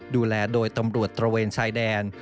ดูแลโดยตำรวจตระเวนชายแดน